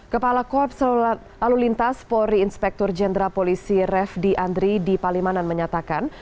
kepala korps lalu lintas polri inspektur jenderal polisi refdi andri di palimanan menyatakan